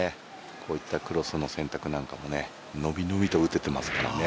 こういったクロスの選択なんかものびのびと打てていますからね。